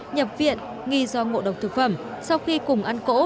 nhập viện nghi do ngộ độc thực phẩm sau khi cùng ăn cỗ